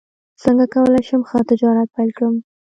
څنګه کولی شم ښه تجارت پیل کړم